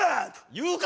言うか！